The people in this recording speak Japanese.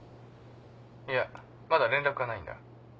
☎いやまだ連絡がないんだ。